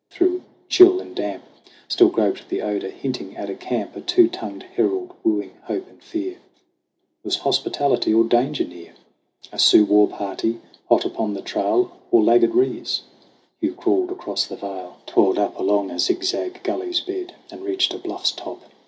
Through chill and damp Still groped the odor, hinting at a camp, A two tongued herald wooing hope and fear. Was hospitality or danger near ? A Sioux war party hot upon the trail, Or laggard Rees ? Hugh crawled across the vale, 82 SONG OF HUGH GLASS Toiled up along a zigzag gully's bed And reached a bluff's top.